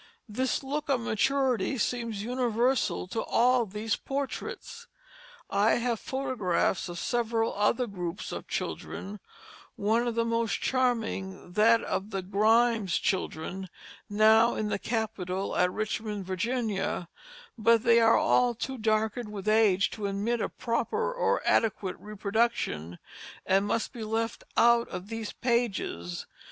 This look of maturity seems universal to all these portraits. I have photographs of several other groups of children, one of the most charming, that of the Grymes children, now in the Capitol at Richmond, Virginia; but they are all too darkened with age to admit of proper or adequate reproduction, and must be left out of these pages.